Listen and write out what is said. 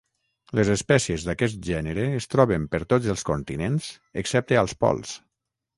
Les espècies d'aquest gènere es troben per tots els continents excepte als pols.